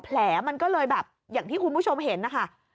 แผลมันก็เลยแบบอย่างที่คุณผู้ชมเห็นนะคะ